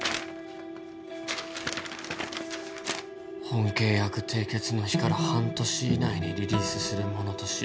「本契約締結の日から半年以内にリリースするものとし、」